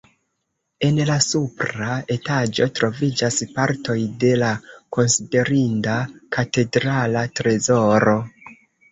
En la supra etaĝo troviĝas partoj de la konsiderinda katedrala trezoro.